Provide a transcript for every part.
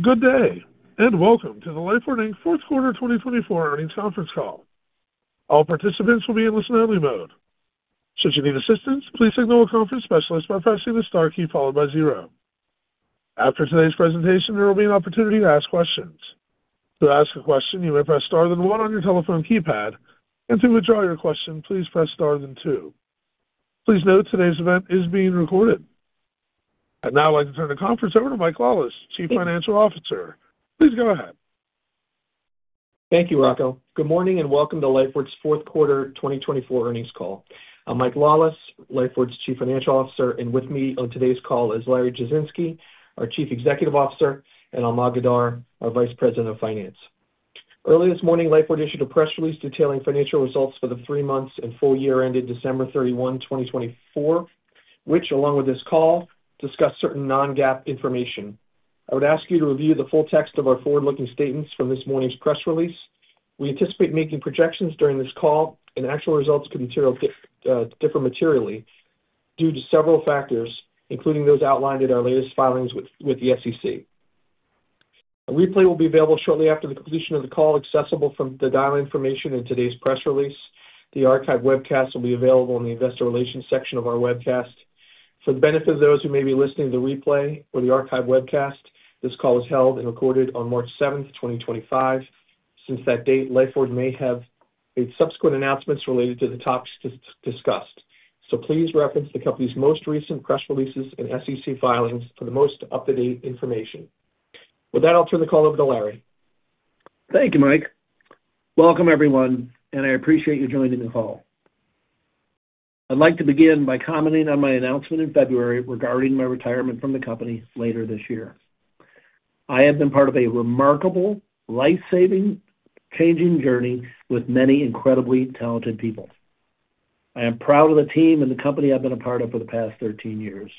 Good day, and welcome to the Lifeward's Q4 2024 Earnings Conference Call. All participants will be in listen-only mode. Should you need assistance, please signal a conference specialist by pressing the star key followed by zero. After today's presentation, there will be an opportunity to ask questions. To ask a question, you may press star then one on your telephone keypad, and to withdraw your question, please press star then two. Please note today's event is being recorded. I'd now like to turn the conference over to Mike Lawless, Chief Financial Officer. Please go ahead. Thank you, Rocco. Good morning and welcome to Lifeward's Q4 2024 Earnings Call. I'm Mike Lawless, Lifeward's Chief Financial Officer, and with me on today's call is Larry Jasinski, our Chief Executive Officer, and Almog Adar, our Vice President of Finance. Early this morning, Lifeward issued a press release detailing financial results for the three-month and full year ended December 31, 2024, which, along with this call, discussed certain non-GAAP information. I would ask you to review the full text of our forward-looking statements from this morning's press release. We anticipate making projections during this call, and actual results could differ materially due to several factors, including those outlined in our latest filings with the SEC. A replay will be available shortly after the completion of the call, accessible from the dial-in information in today's press release. The archived webcast will be available in the investor relations section of our webcast. For the benefit of those who may be listening to the replay or the archived webcast, this call is held and recorded on March 7, 2025. Since that date, Lifeward may have made subsequent announcements related to the topics discussed, so please reference the company's most recent press releases and SEC filings for the most up-to-date information. With that, I'll turn the call over to Larry. Thank you, Mike. Welcome, everyone, and I appreciate you joining the call. I'd like to begin by commenting on my announcement in February regarding my retirement from the company later this year. I have been part of a remarkable, life-saving, changing journey with many incredibly talented people. I am proud of the team and the company I've been a part of for the past 13 years.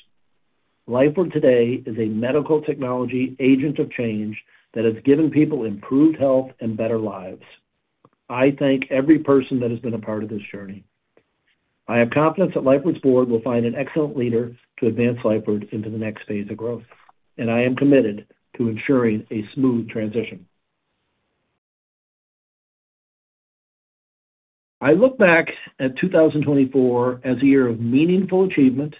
Lifeward today is a medical technology agent of change that has given people improved health and better lives. I thank every person that has been a part of this journey. I have confidence that Lifeward's board will find an excellent leader to advance Lifeward into the next phase of growth, and I am committed to ensuring a smooth transition. I look back at 2024 as a year of meaningful achievement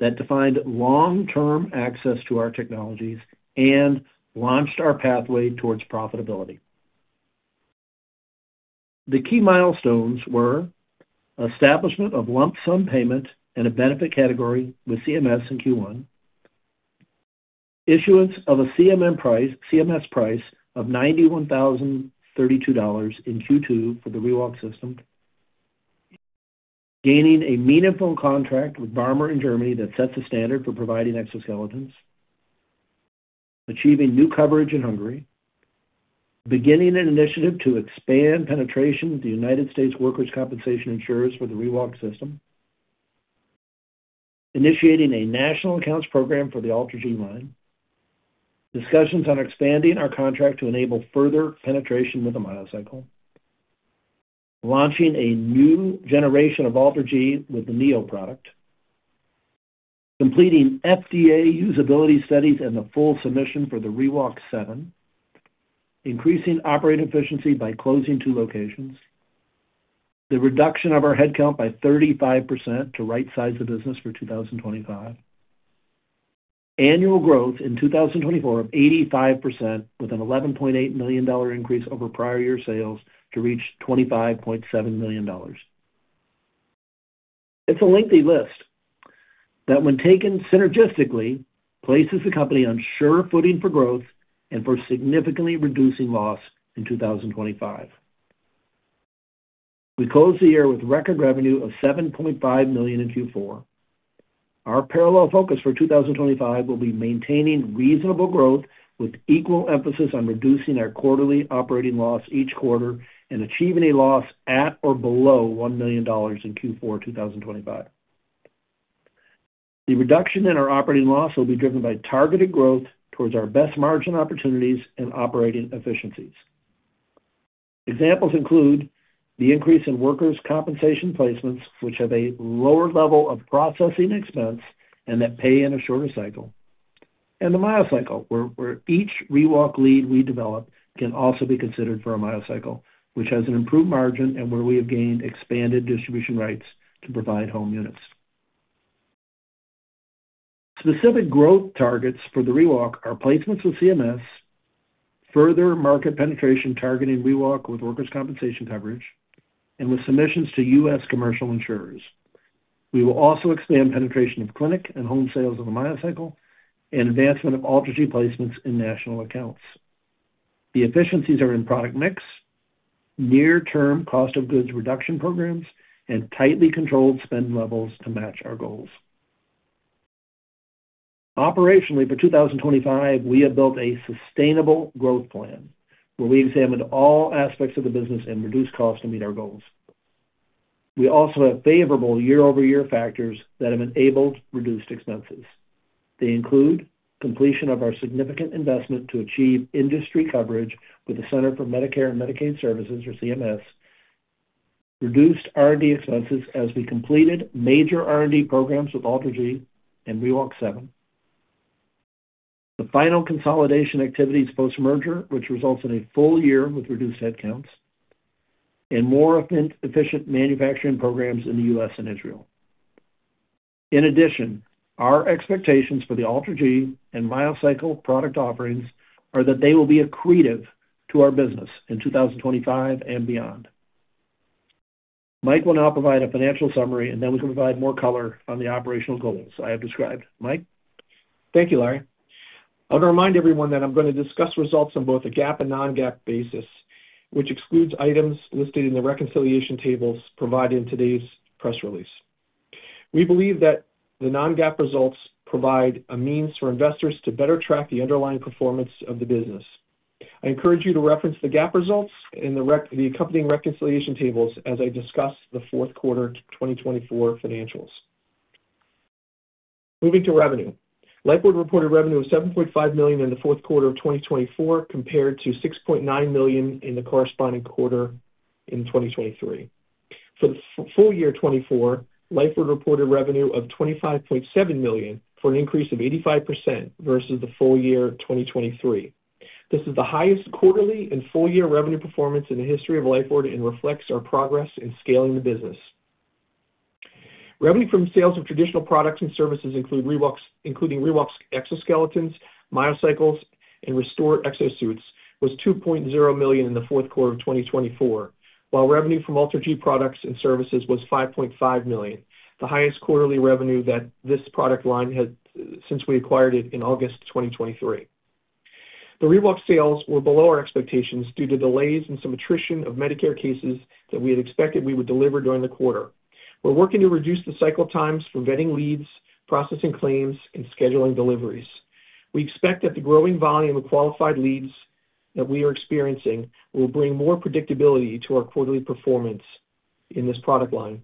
that defined long-term access to our technologies and launched our pathway towards profitability. The key milestones were establishment of lump sum payment and a benefit category with CMS in Q1, issuance of a CMS price of $91,032 in Q2 for the ReWalk system, gaining a meaningful contract with Barmer in Germany that sets a standard for providing exoskeletons, achieving new coverage in Hungary, beginning an initiative to expand penetration to United States workers' compensation insurers for the ReWalk system, initiating a national accounts program for the AlterG line, discussions on expanding our contract to enable further penetration with the MyoCycle, launching a new generation of AlterG with the Neo product, completing FDA usability studies and the full submission for the ReWalk 7, increasing operating efficiency by closing two locations, the reduction of our headcount by 35% to right-size the business for 2025, annual growth in 2024 of 85% with an $11.8 million increase over prior year sales to reach $25.7 million. It's a lengthy list that, when taken synergistically, places the company on sure footing for growth and for significantly reducing loss in 2025. We closed the year with record revenue of $7.5 million in Q4. Our parallel focus for 2025 will be maintaining reasonable growth with equal emphasis on reducing our quarterly operating loss each quarter and achieving a loss at or below $1 million in Q4 2025. The reduction in our operating loss will be driven by targeted growth towards our best margin opportunities and operating efficiencies. Examples include the increase in workers' compensation placements, which have a lower level of processing expense and that pay in a shorter cycle, and the MyoCycle, where each ReWalk lead we develop can also be considered for a MyoCycle, which has an improved margin and where we have gained expanded distribution rights to provide home units. Specific growth targets for the ReWalk are placements with CMS, further market penetration targeting ReWalk with workers' compensation coverage, and with submissions to U.S. commercial insurers. We will also expand penetration of clinic and home sales of the MyoCycle and advancement of AlterG placements in national accounts. The efficiencies are in product mix, near-term cost of goods reduction programs, and tightly controlled spend levels to match our goals. Operationally, for 2025, we have built a Sustainable Growth Plan where we examined all aspects of the business and reduced costs to meet our goals. We also have favorable year-over-year factors that have enabled reduced expenses. They include completion of our significant investment to achieve industry coverage with the Centers for Medicare & Medicaid Services, or CMS, reduced R&D expenses as we completed major R&D programs with AlterG and ReWalk 7, the final consolidation activities post-merger, which results in a full year with reduced headcounts, and more efficient manufacturing programs in the U.S. and Israel. In addition, our expectations for the AlterG and MyoCycle product offerings are that they will be accretive to our business in 2025 and beyond. Mike will now provide a financial summary, and then we can provide more color on the operational goals I have described. Mike? Thank you, Larry. I want to remind everyone that I'm going to discuss results on both a GAAP and non-GAAP basis, which excludes items listed in the reconciliation tables provided in today's press release. We believe that the non-GAAP results provide a means for investors to better track the underlying performance of the business. I encourage you to reference the GAAP results and the accompanying reconciliation tables as I discuss the Q4 2024 financials. Moving to revenue, Lifeward reported revenue of $7.5 million in the fourth Q4 of 2024 compared to $6.9 million in the corresponding quarter in 2023. For the full year 2024, Lifeward reported revenue of $25.7 million for an increase of 85% versus the full year 2023. This is the highest quarterly and full-year revenue performance in the history of Lifeward and reflects our progress in scaling the business. Revenue from sales of traditional products and services, including ReWalk exoskeletons, MyoCycle, and ReStore exosuits, was $2.0 million in the Q4 of 2024, while revenue from AlterG products and services was $5.5 million, the highest quarterly revenue that this product line had since we acquired it in August 2023. The ReWalk sales were below our expectations due to delays and some attrition of Medicare cases that we had expected we would deliver during the quarter. We're working to reduce the cycle times for vetting leads, processing claims, and scheduling deliveries. We expect that the growing volume of qualified leads that we are experiencing will bring more predictability to our quarterly performance in this product line.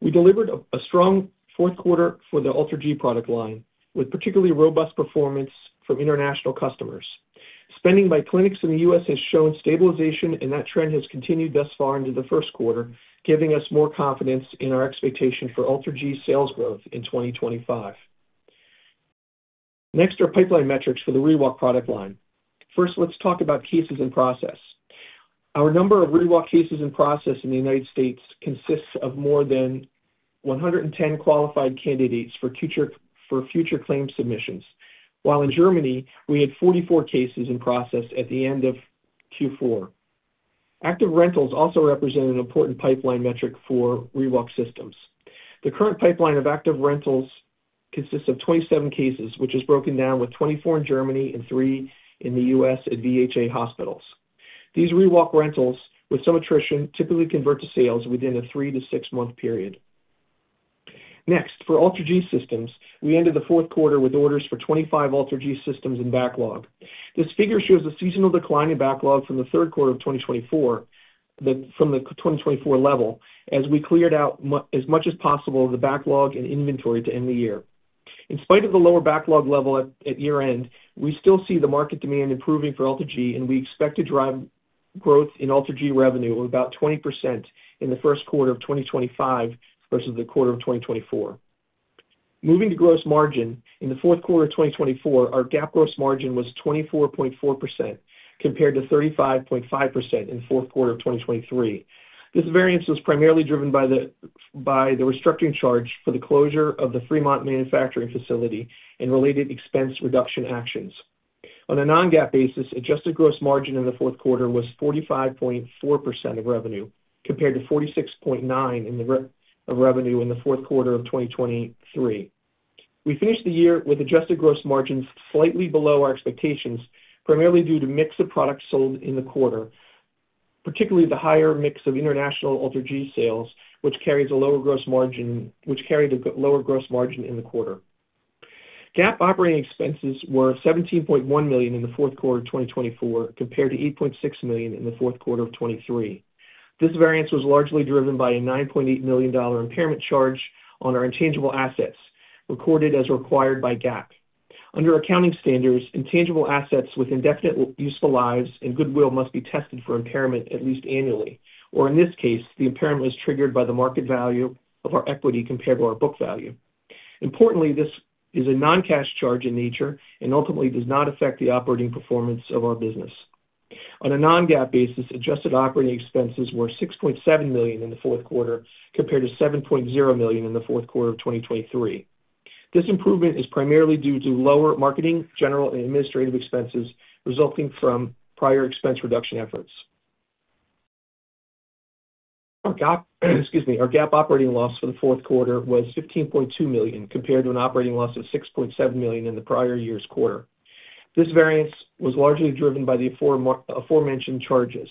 We delivered a strong Q4 for the AlterG product line with particularly robust performance from international customers. Spending by clinics in the U.S. Has shown stabilization, and that trend has continued thus far into the Q1, giving us more confidence in our expectation for AlterG sales growth in 2025. Next are pipeline metrics for the ReWalk product line. First, let's talk about cases in process. Our number of ReWalk cases in process in the U.S. consists of more than 110 qualified candidates for future claim submissions, while in Germany, we had 44 cases in process at the end of Q4. Active rentals also represent an important pipeline metric for ReWalk systems. The current pipeline of active rentals consists of 27 cases, which is broken down with 24 in Germany and 3 in the U.S. at VHA hospitals. These ReWalk rentals, with some attrition, typically convert to sales within a three to six-month period. Next, for AlterG systems, we ended the Q4 with orders for 25 AlterG systems in backlog. This figure shows a seasonal decline in backlog from the third quarter of 2024 from the 2024 level as we cleared out as much as possible of the backlog and inventory to end the year. In spite of the lower backlog level at year-end, we still see the market demand improving for AlterG, and we expect to drive growth in AlterG revenue of about 20% in the Q1 of 2025 versus the quarter of 2024. Moving to gross margin, in the Q4 of 2024, our GAAP gross margin was 24.4% compared to 35.5% in the Q4 of 2023. This variance was primarily driven by the restructuring charge for the closure of the Fremont manufacturing facility and related expense reduction actions. On a non-GAAP basis, adjusted gross margin in the Q4 was 45.4% of revenue compared to 46.9% of revenue in the Q4 of 2023. We finished the year with adjusted gross margins slightly below our expectations, primarily due to the mix of products sold in the quarter, particularly the higher mix of international AlterG sales, which carried a lower gross margin in the quarter. GAAP operating expenses were $17.1 million in the Q4 of 2024 compared to $8.6 million in the Q4 of 2023. This variance was largely driven by a $9.8 million impairment charge on our intangible assets recorded as required by GAAP. Under accounting standards, intangible assets with indefinite useful lives and goodwill must be tested for impairment at least annually, or in this case, the impairment was triggered by the market value of our equity compared to our book value. Importantly, this is a non-cash charge in nature and ultimately does not affect the operating performance of our business. On a non-GAAP basis, adjusted operating expenses were $6.7 million in the Q4 compared to $7.0 million in the Q4 of 2023. This improvement is primarily due to lower marketing, general, and administrative expenses resulting from prior expense reduction efforts. Our GAAP operating loss for the Q4 was $15.2 million compared to an operating loss of $6.7 million in the prior year's quarter. This variance was largely driven by the aforementioned charges.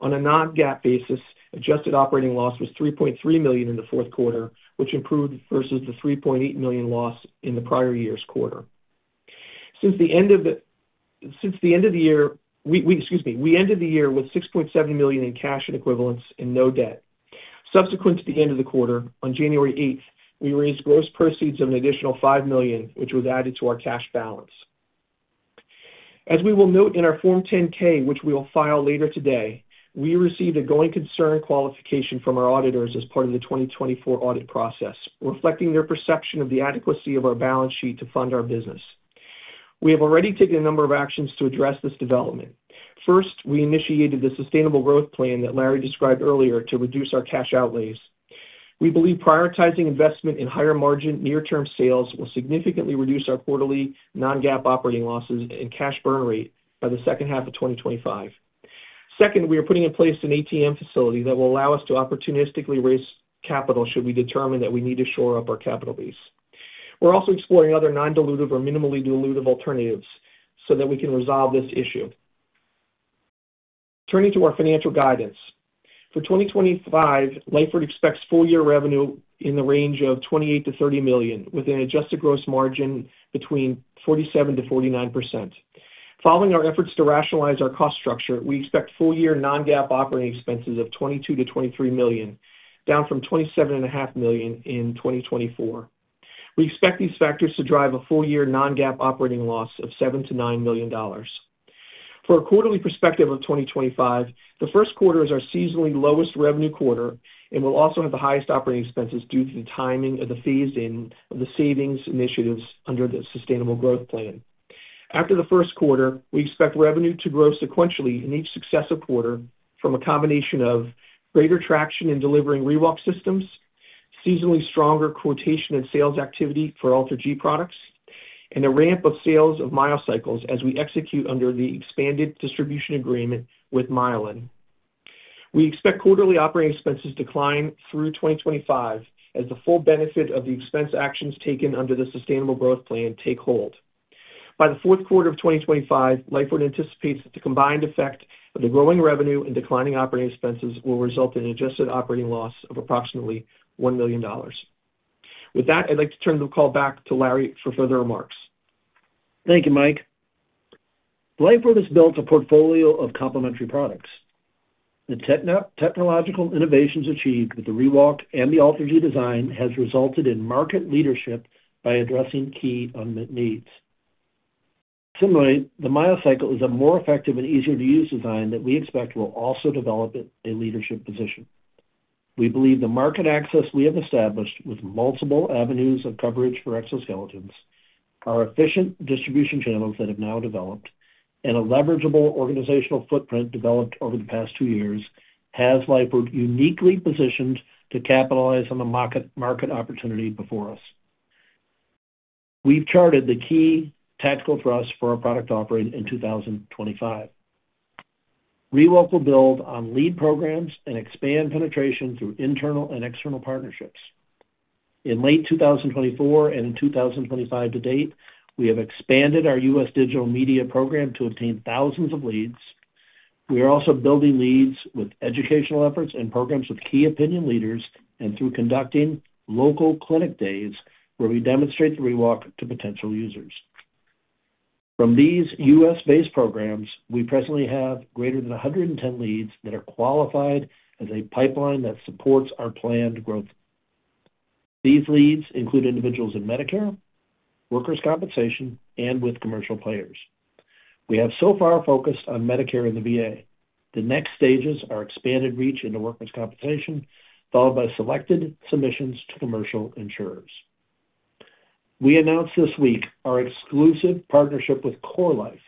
On a non-GAAP basis, adjusted operating loss was $3.3 million in the Q4, which improved versus the $3.8 million loss in the prior year's quarter. Since the end of the year, we ended the year with $6.7 million in cash and equivalents and no debt. Subsequent to the end of the quarter, on January 8th, we raised gross proceeds of an additional $5 million, which was added to our cash balance. As we will note in our Form 10-K, which we will file later today, we received a going concern qualification from our auditors as part of the 2024 audit process, reflecting their perception of the adequacy of our balance sheet to fund our business. We have already taken a number of actions to address this development. First, we initiated the Sustainable Growth Plan that Larry described earlier to reduce our cash outlays. We believe prioritizing investment in higher margin, near-term sales will significantly reduce our quarterly non-GAAP operating losses and cash burn rate by the second half of 2025. Second, we are putting in place an ATM facility that will allow us to opportunistically raise capital should we determine that we need to shore up our capital base. We're also exploring other non-dilutive or minimally dilutive alternatives so that we can resolve this issue. Turning to our financial guidance, for 2025, Lifeward expects full year revenue in the range of $28-$30 million with an adjusted gross margin between 47%-49%. Following our efforts to rationalize our cost structure, we expect full year non-GAAP operating expenses of $22-$23 million, down from $27.5 million in 2024. We expect these factors to drive a full year non-GAAP operating loss of $7-$9 million. For a quarterly perspective of 2025, the Q1 is our seasonally lowest revenue quarter and will also have the highest operating expenses due to the timing of the phase-in of the savings initiatives under the Sustainable Growth Plan. After the Q1, we expect revenue to grow sequentially in each successive quarter from a combination of greater traction in delivering ReWalk systems, seasonally stronger quotation and sales activity for AlterG products, and a ramp of sales of MyoCycle as we execute under the expanded distribution agreement with MyoLyn. We expect quarterly operating expenses to decline through 2025 as the full benefit of the expense actions taken under the Sustainable Growth Plan take hold. By the Q4 of 2025, Lifeward anticipates that the combined effect of the growing revenue and declining operating expenses will result in an adjusted operating loss of approximately $1 million. With that, I'd like to turn the call back to Larry for further remarks. Thank you, Mike. Lifeward has built a portfolio of complementary products. The technological innovations achieved with the ReWalk and the AlterG design have resulted in market leadership by addressing key unmet needs. Similarly, the MyoCycle is a more effective and easier-to-use design that we expect will also develop a leadership position. We believe the market access we have established with multiple avenues of coverage for exoskeletons, our efficient distribution channels that have now developed, and a leverageable organizational footprint developed over the past two years has Lifeward uniquely positioned to capitalize on the market opportunity before us. We've charted the key tactical thrust for our product offering in 2025. ReWalk will build on lead programs and expand penetration through internal and external partnerships. In late 2024 and in 2025 to date, we have expanded our U.S. digital media program to obtain thousands of leads. We are also building leads with educational efforts and programs with key opinion leaders and through conducting local clinic days where we demonstrate the ReWalk to potential users. From these U.S.-based programs, we presently have greater than 110 leads that are qualified as a pipeline that supports our planned growth. These leads include individuals in Medicare, workers' compensation, and with commercial players. We have so far focused on Medicare and the VA. The next stages are expanded reach into workers' compensation, followed by selected submissions to commercial insurers. We announced this week our exclusive partnership with CorLife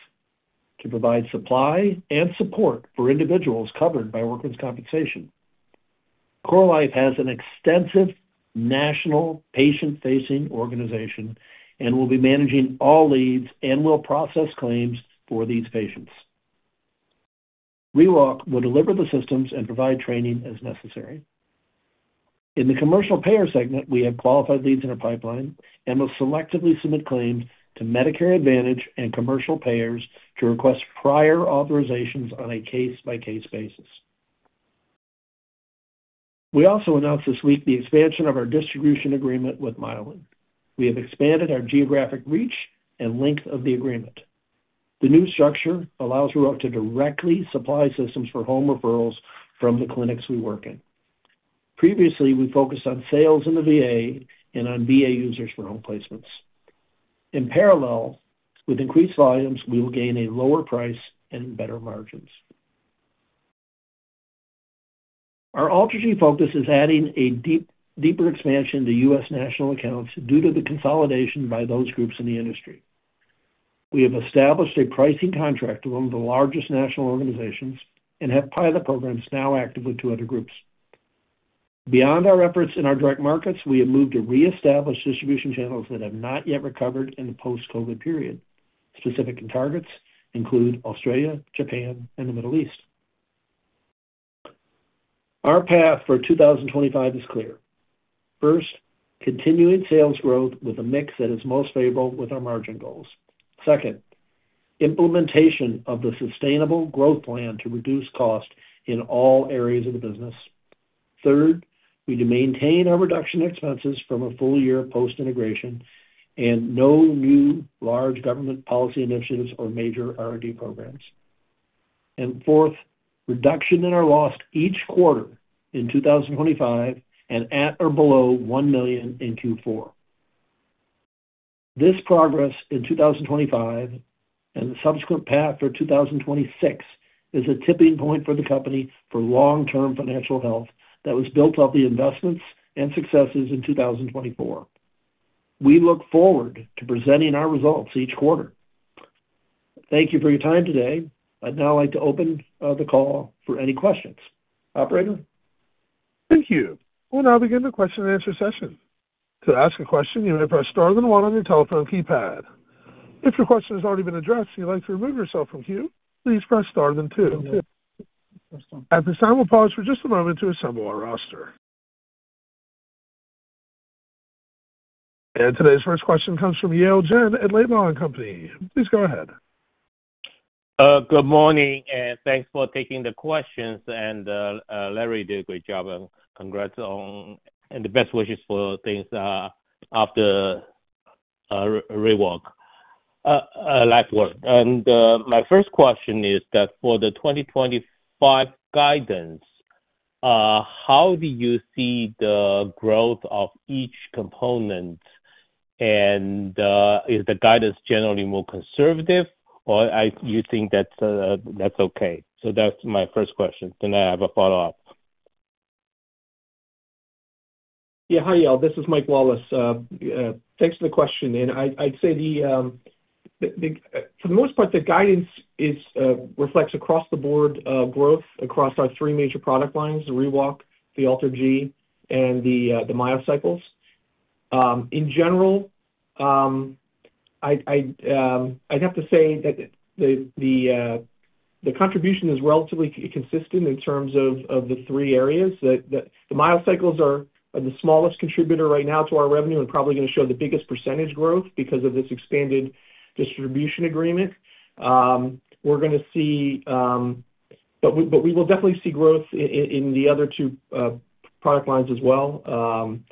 to provide supply and support for individuals covered by workers' compensation. CorLife has an extensive national patient-facing organization and will be managing all leads and will process claims for these patients. ReWalk will deliver the systems and provide training as necessary. In the commercial payer segment, we have qualified leads in our pipeline and will selectively submit claims to Medicare Advantage and commercial payers to request prior authorizations on a case-by-case basis. We also announced this week the expansion of our distribution agreement with MyoLyn. We have expanded our geographic reach and length of the agreement. The new structure allows ReWalk to directly supply systems for home referrals from the clinics we work in. Previously, we focused on sales in the VHA and on VHA users for home placements. In parallel, with increased volumes, we will gain a lower price and better margins. Our AlterG focus is adding a deeper expansion to U.S. national accounts due to the consolidation by those groups in the industry. We have established a pricing contract among the largest national organizations and have pilot programs now active with two other groups. Beyond our efforts in our direct markets, we have moved to reestablish distribution channels that have not yet recovered in the post-COVID period. Specific targets include Australia, Japan, and the Middle East. Our path for 2025 is clear. First, continuing sales growth with a mix that is most favorable with our margin goals. Second, implementation of the Sustainable Growth Plan to reduce costs in all areas of the business. Third, we do maintain our reduction in expenses from a full year post-integration and no new large government policy initiatives or major R&D programs. Fourth, reduction in our loss each quarter in 2025 and at or below $1 million in Q4. This progress in 2025 and the subsequent path for 2026 is a tipping point for the company for long-term financial health that was built off the investments and successes in 2024. We look forward to presenting our results each quarter. Thank you for your time today. I'd now like to open the call for any questions. Operator? Thank you. We'll now begin the question-and-answer session. To ask a question, you may press star then one on your telephone keypad. If your question has already been addressed and you'd like to remove yourself from queue, please press star then two. At this time, we'll pause for just a moment to assemble our roster. Today's first question comes from Yale Jen at Laidlaw & Company. Please go ahead. Good morning and thanks for taking the questions. Larry did a great job. Congrats on, and the best wishes for things after ReWalk Lifeward. My first question is that for the 2025 guidance, how do you see the growth of each component? Is the guidance generally more conservative, or do you think that's okay? That is my first question. I have a follow-up. Yeah, hi, Yale. This is Mike Lawless. Thanks for the question. I'd say for the most part, the guidance reflects across-the-board growth across our three major product lines: ReWalk, the AlterG, and the MyoCycle. In general, I'd have to say that the contribution is relatively consistent in terms of the three areas. The MyoCycle is the smallest contributor right now to our revenue and probably going to show the biggest percentage growth because of this expanded distribution agreement. We're going to see, but we will definitely see growth in the other two product lines as well.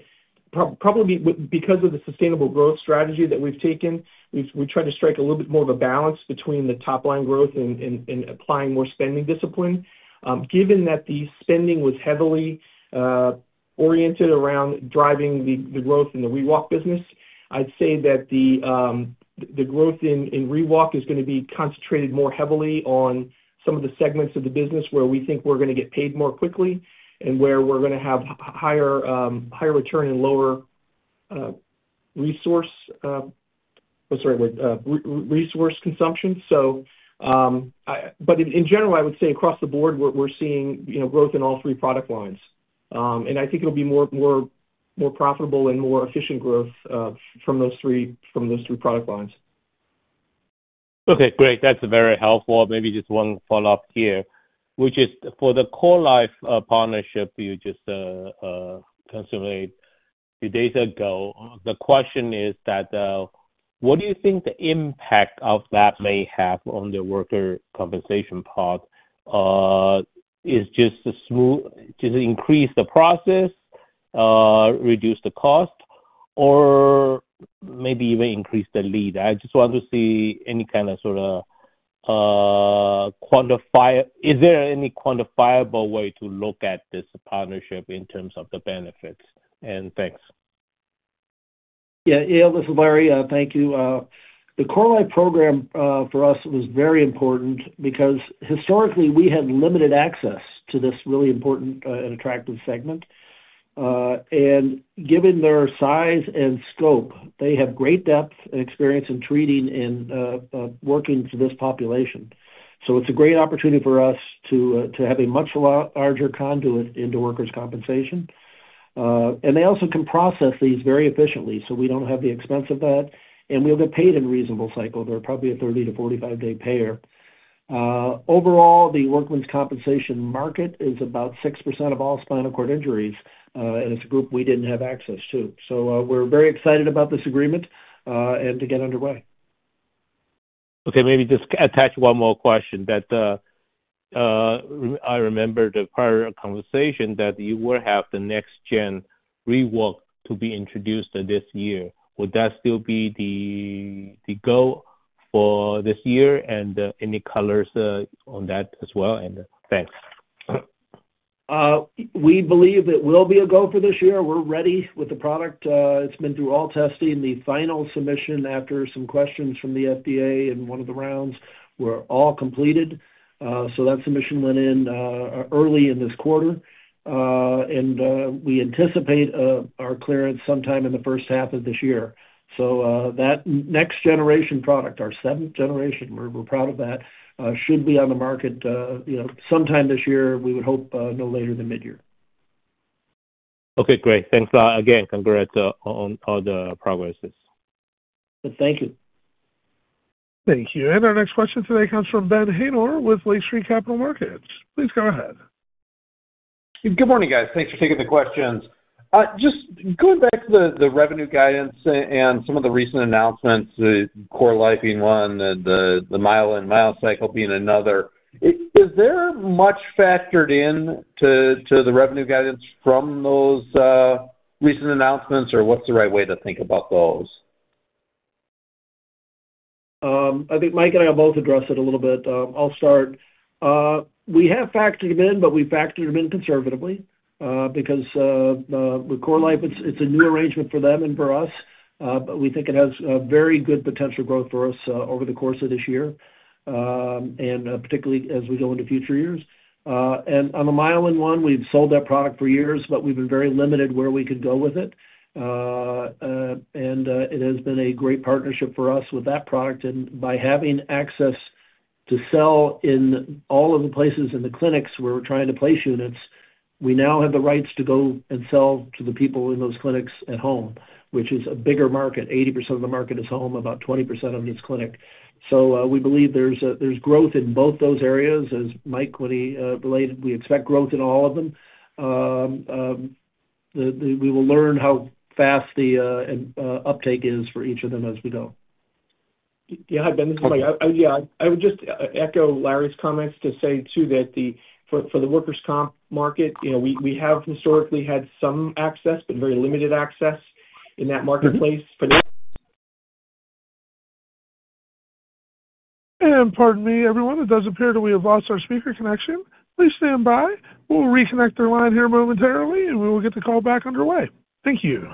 Probably because of the sustainable growth strategy that we've taken, we've tried to strike a little bit more of a balance between the top-line growth and applying more spending discipline. Given that the spending was heavily oriented around driving the growth in the ReWalk business, I'd say that the growth in ReWalk is going to be concentrated more heavily on some of the segments of the business where we think we're going to get paid more quickly and where we're going to have higher return and lower resource—oh, sorry—resource consumption. In general, I would say across the board, we're seeing growth in all three product lines. I think it'll be more profitable and more efficient growth from those three product lines. Okay, great. That's very helpful. Maybe just one follow-up here, which is for the CoreLife partnership you just consummated a few days ago, the question is that what do you think the impact of that may have on the worker compensation part? Is it just to increase the process, reduce the cost, or maybe even increase the lead? I just want to see any kind of sort of quantifiable—is there any quantifiable way to look at this partnership in terms of the benefits? And thanks. Yeah, Yale, this is Larry. Thank you. The CoreLife program for us was very important because historically, we had limited access to this really important and attractive segment. Given their size and scope, they have great depth and experience in treating and working for this population. It is a great opportunity for us to have a much larger conduit into workers' compensation. They also can process these very efficiently, so we do not have the expense of that. We will get paid in a reasonable cycle. They are probably a 30-45 day payer. Overall, the workers' compensation market is about 6% of all spinal cord injuries, and it is a group we did not have access to. We are very excited about this agreement and to get underway. Okay, maybe just attach one more question that I remembered the prior conversation that you will have the next-gen ReWalk to be introduced this year. Would that still be the goal for this year? Any colors on that as well? Thanks. We believe it will be a goal for this year. We're ready with the product. It's been through all testing. The final submission after some questions from the FDA in one of the rounds were all completed. That submission went in early in this quarter. We anticipate our clearance sometime in the first half of this year. That next-generation product, our seventh generation, we're proud of that, should be on the market sometime this year. We would hope no later than mid-year. Okay, great. Thanks a lot. Again, congrats on all the progresses. Thank you. Thank you. Our next question today comes from Ben Haynor with Lake Street Capital Markets. Please go ahead. Good morning, guys. Thanks for taking the questions. Just going back to the revenue guidance and some of the recent announcements, CoreLife being one and the MyoLyn, MyoCycle being another, is there much factored into the revenue guidance from those recent announcements, or what's the right way to think about those? I think Mike and I both addressed it a little bit. I'll start. We have factored them in, but we factored them in conservatively because with CoreLife, it's a new arrangement for them and for us. We think it has very good potential growth for us over the course of this year, particularly as we go into future years. On the MyoLyn one, we've sold that product for years, but we've been very limited where we could go with it. It has been a great partnership for us with that product. By having access to sell in all of the places in the clinics where we're trying to place units, we now have the rights to go and sell to the people in those clinics at home, which is a bigger market. 80% of the market is home, about 20% of it is clinic. We believe there's growth in both those areas, as Mike related. We expect growth in all of them. We will learn how fast the uptake is for each of them as we go. Yeah, hi, Ben. This is Mike. Yeah, I would just echo Larry's comments to say too that for the workers' comp market, we have historically had some access, but very limited access in that marketplace. Pardon me, everyone, it does appear that we have lost our speaker connection. Please stand by. We will reconnect their line here momentarily, and we will get the call back underway. Thank you.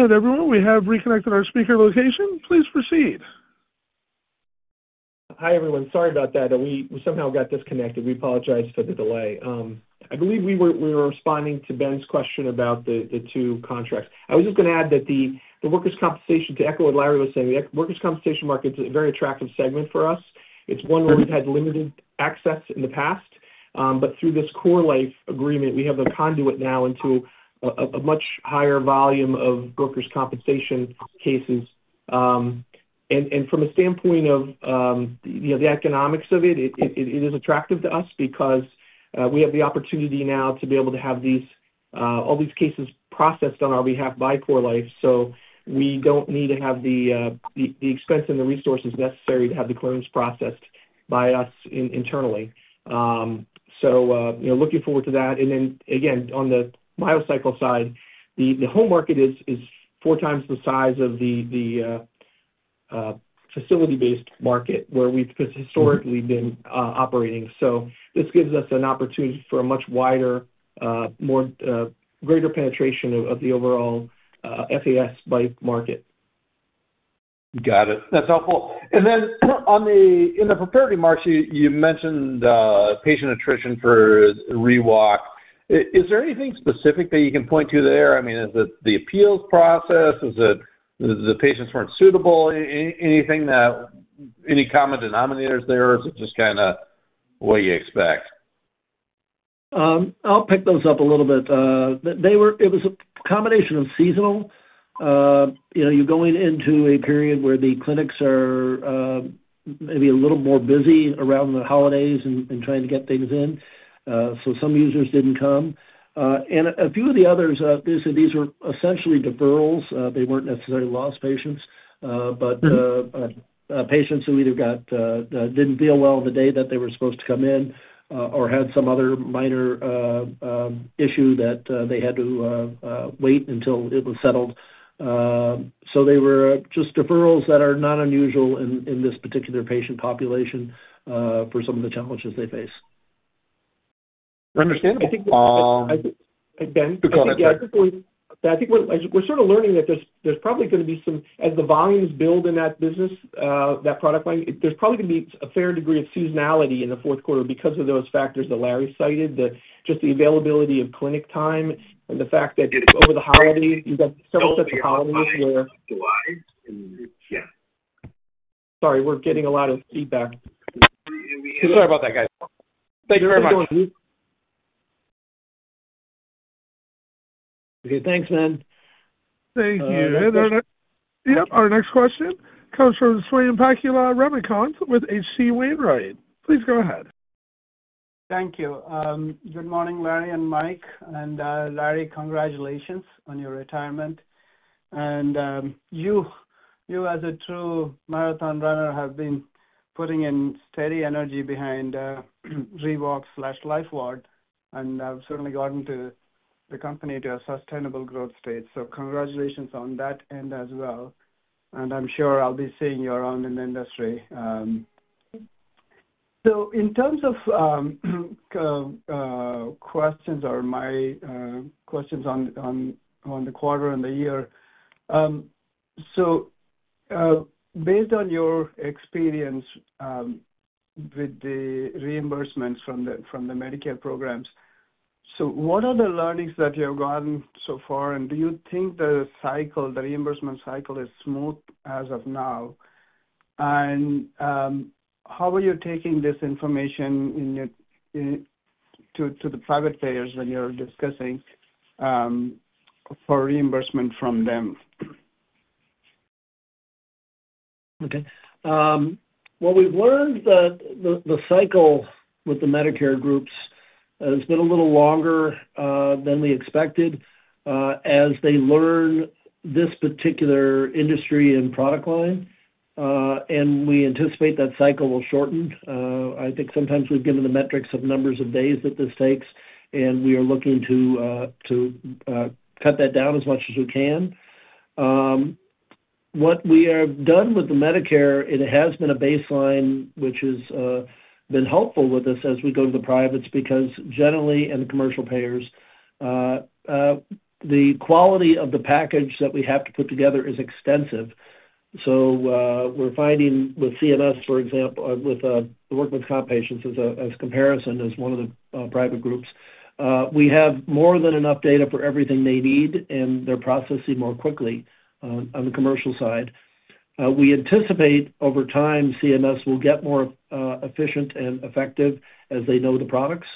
Everyone, we have reconnected our speaker location. Please proceed. Hi, everyone. Sorry about that. We somehow got disconnected. We apologize for the delay. I believe we were responding to Ben's question about the two contracts. I was just going to add that the workers' compensation, to echo what Larry was saying, the workers' compensation market is a very attractive segment for us. It's one where we've had limited access in the past. Through this CoreLife agreement, we have a conduit now into a much higher volume of workers' compensation cases. From a standpoint of the economics of it, it is attractive to us because we have the opportunity now to be able to have all these cases processed on our behalf by CoreLife. We do not need to have the expense and the resources necessary to have the claims processed by us internally. Looking forward to that. On the MyoCycle side, the home market is four times the size of the facility-based market where we've historically been operating. This gives us an opportunity for a much wider, greater penetration of the overall FES-like market. Got it. That's helpful. In the preparatory marks, you mentioned patient attrition for ReWalk. Is there anything specific that you can point to there? I mean, is it the appeals process? Is it the patients were not suitable? Any common denominators there? Is it just kind of what you expect? I'll pick those up a little bit. It was a combination of seasonal. You're going into a period where the clinics are maybe a little more busy around the holidays and trying to get things in. Some users didn't come. A few of the others, these were essentially deferrals. They weren't necessarily lost patients, but patients who either didn't feel well the day that they were supposed to come in or had some other minor issue that they had to wait until it was settled. They were just deferrals that are not unusual in this particular patient population for some of the challenges they face. Understandable. I think, Ben, yeah, I think we're sort of learning that there's probably going to be some, as the volumes build in that business, that product line, there's probably going to be a fair degree of seasonality in the Q4 because of those factors that Larry cited, just the availability of clinic time and the fact that over the holidays, you've got several sets of holidays where. July. Yeah. Sorry, we're getting a lot of feedback. Sorry about that, guys. Thank you very much. Okay, thanks, man. Thank you. Yes, our next question comes from Swayampakula, Ramakanth with HC Wainwright. Please go ahead. Thank you. Good morning, Larry and Mike. Larry, congratulations on your retirement. You, as a true marathon runner, have been putting in steady energy behind ReWalk and Lifeward. You have certainly gotten the company to a sustainable growth state. Congratulations on that end as well. I am sure I will be seeing you around in the industry. In terms of my questions on the quarter and the year, based on your experience with the reimbursements from the Medicare programs, what are the learnings that you have gotten so far? Do you think the cycle, the reimbursement cycle, is smooth as of now? How are you taking this information to the private payers when you are discussing reimbursement from them? Okay. We have learned that the cycle with the Medicare groups has been a little longer than we expected as they learn this particular industry and product line. We anticipate that cycle will shorten. I think sometimes we have given the metrics of numbers of days that this takes, and we are looking to cut that down as much as we can. What we have done with the Medicare, it has been a baseline, which has been helpful with us as we go to the privates because generally, and the commercial payers, the quality of the package that we have to put together is extensive. We are finding with CMS, for example, with the workman's comp patients as comparison as one of the private groups, we have more than enough data for everything they need, and they are processing more quickly on the commercial side. We anticipate over time, CMS will get more efficient and effective as they know the products.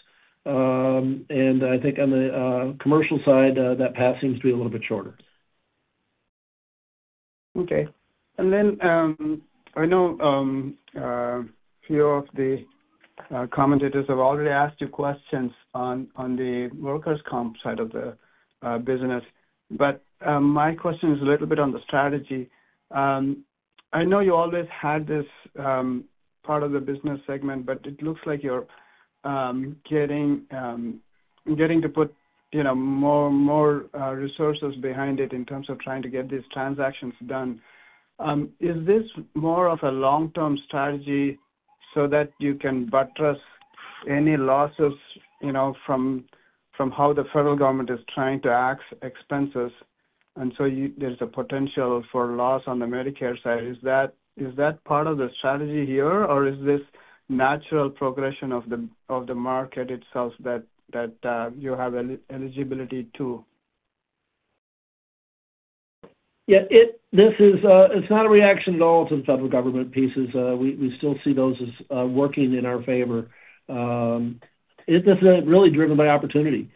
I think on the commercial side, that path seems to be a little bit shorter. Okay. I know a few of the commentators have already asked you questions on the workers' comp side of the business. My question is a little bit on the strategy. I know you always had this part of the business segment, but it looks like you're getting to put more resources behind it in terms of trying to get these transactions done. Is this more of a long-term strategy so that you can buttress any losses from how the federal government is trying to access expenses? There is a potential for loss on the Medicare side. Is that part of the strategy here, or is this natural progression of the market itself that you have eligibility to? Yeah, this is not a reaction at all to the federal government pieces. We still see those as working in our favor. This is really driven by opportunity.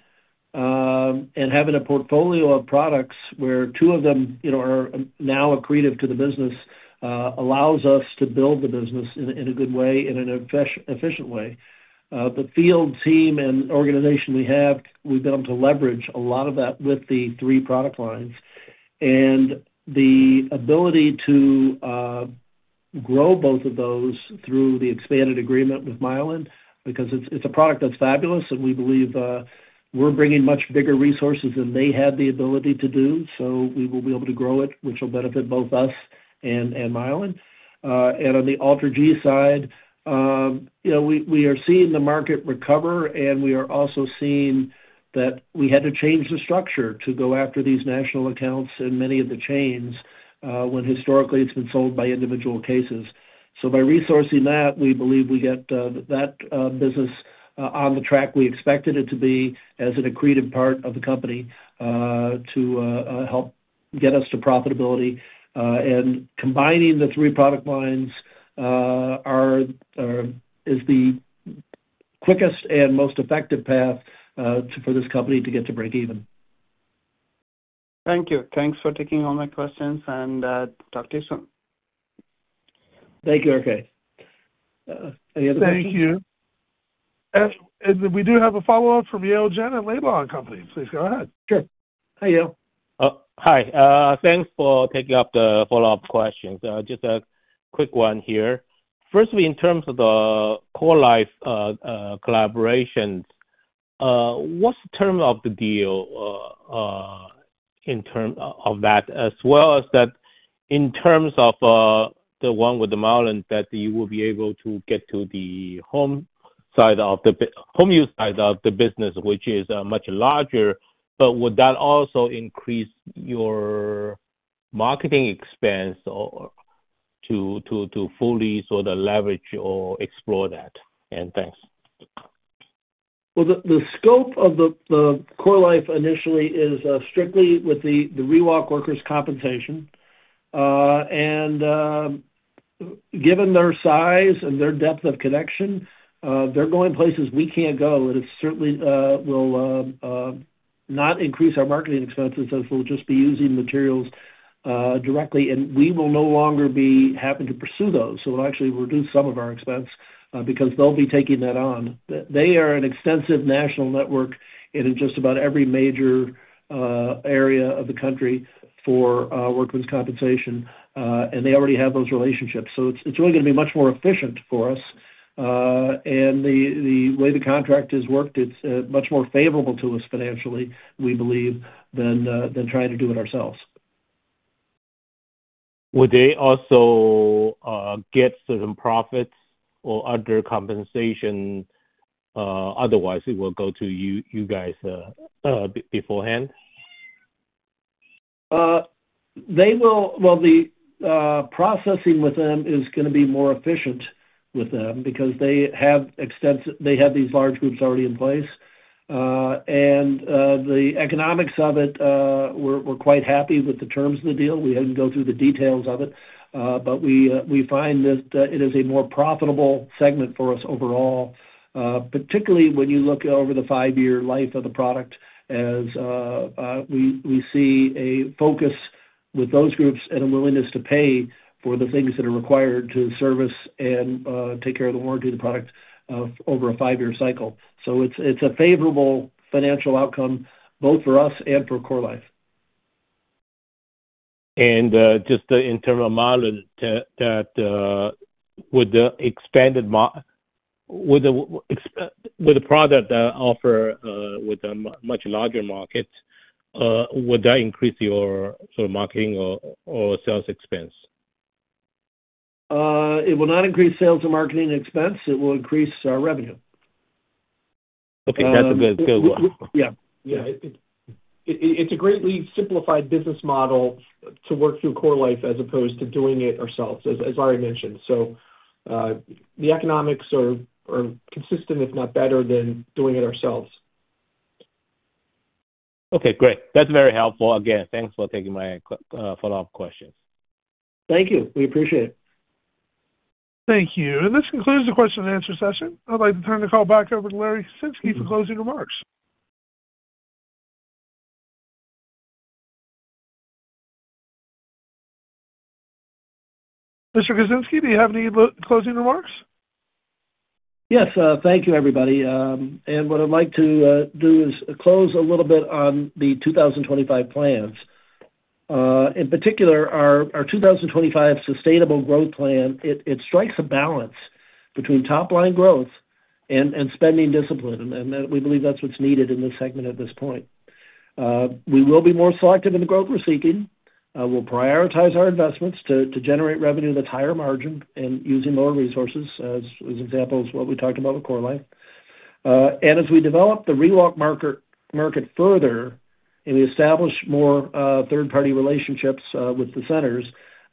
Having a portfolio of products where two of them are now accretive to the business allows us to build the business in a good way, in an efficient way. The field team and organization we have, we've been able to leverage a lot of that with the three product lines. The ability to grow both of those through the expanded agreement with MyoLyn, because it's a product that's fabulous, and we believe we're bringing much bigger resources than they had the ability to do. We will be able to grow it, which will benefit both us and MyoLyn. On the AlterG side, we are seeing the market recover, and we are also seeing that we had to change the structure to go after these national accounts in many of the chains when historically it's been sold by individual cases. By resourcing that, we believe we get that business on the track we expected it to be as an accretive part of the company to help get us to profitability. Combining the three product lines is the quickest and most effective path for this company to get to break even. Thank you. Thanks for taking all my questions, and talk to you soon. Thank you. Okay. Any other questions? Thank you. And we do have a follow-up from Yale Jen and Laidlaw & Company. Please go ahead. Sure. Hi, Yale. Hi. Thanks for taking up the follow-up questions. Just a quick one here. Firstly, in terms of the CoreLife collaborations, what's the term of the deal in terms of that, as well as that in terms of the one with the MyoLyn that you will be able to get to the home side of the home use side of the business, which is much larger, but would that also increase your marketing expense to fully sort of leverage or explore that? Thanks. The scope of the CoreLife initially is strictly with the ReWalk workers' compensation. Given their size and their depth of connection, they're going places we can't go. It certainly will not increase our marketing expenses as we'll just be using materials directly, and we will no longer be happy to pursue those. It'll actually reduce some of our expense because they'll be taking that on. They are an extensive national network in just about every major area of the country for workers' compensation, and they already have those relationships. It's really going to be much more efficient for us. The way the contract is worked, it's much more favorable to us financially, we believe, than trying to do it ourselves. Would they also get certain profits or other compensation, otherwise it will go to you guys beforehand? The processing with them is going to be more efficient with them because they have these large groups already in place. The economics of it, we're quite happy with the terms of the deal. We haven't gone through the details of it, but we find that it is a more profitable segment for us overall, particularly when you look over the five-year life of the product as we see a focus with those groups and a willingness to pay for the things that are required to service and take care of the warranty of the product over a five-year cycle. It is a favorable financial outcome both for us and for CoreLife. In terms of MyoLyn, would the product offer with a much larger market, would that increase your marketing or sales expense? It will not increase sales and marketing expense. It will increase our revenue. Okay. That's a good one. Yeah. It's a greatly simplified business model to work through CoreLife as opposed to doing it ourselves, as Larry mentioned. So the economics are consistent, if not better, than doing it ourselves. Okay. Great. That's very helpful. Again, thanks for taking my follow-up questions. Thank you. We appreciate it. Thank you. This concludes the question and answer session. I'd like to turn the call back over to Larry Jasinski for closing remarks. Mr. Jasinski, do you have any closing remarks? Yes. Thank you, everybody. What I'd like to do is close a little bit on the 2025 plans. In particular, our 2025 Sustainable Growth Plan strikes a balance between top-line growth and spending discipline. We believe that's what's needed in this segment at this point. We will be more selective in the growth we're seeking. We'll prioritize our investments to generate revenue that's higher margin and using more resources, as an example of what we talked about with CoreLife. As we develop the ReWalk market further and we establish more third-party relationships with the centers,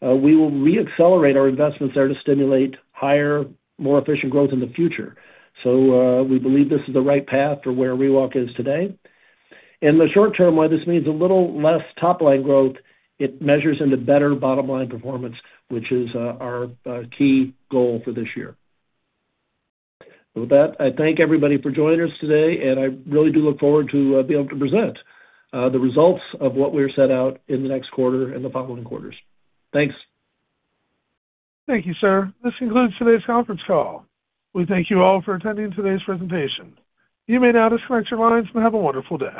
we will re-accelerate our investments there to stimulate higher, more efficient growth in the future. We believe this is the right path for where ReWalk is today. In the short term, while this means a little less top-line growth, it measures into better bottom-line performance, which is our key goal for this year. With that, I thank everybody for joining us today, and I really do look forward to be able to present the results of what we're set out in the next quarter and the following quarters. Thanks. Thank you, sir. This concludes today's conference call. We thank you all for attending today's presentation. You may now disconnect your lines and have a wonderful day.